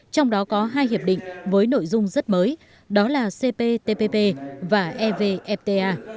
trong đó có hai hiệp định với nội dung rất mới đó là cptpp và evfta